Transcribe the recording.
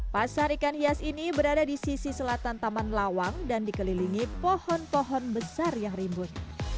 pasar ikan hias ini berada di sisi selatan taman lawang dan dikelilingi pohon pohon besar yang rimbun